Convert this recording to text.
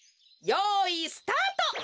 よいスタート！